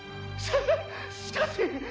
「ししかし！